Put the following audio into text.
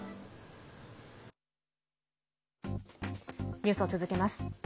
ニュースを続けます。